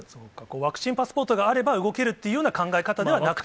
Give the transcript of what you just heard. ワクチンパスポートがあれば動けるというような考え方ではなくて。